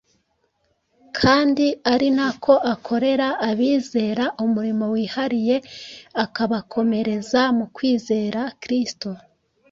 kandi ari nako akorera abizera umurimo wihariye, akabakomereza mu kwizera kristo.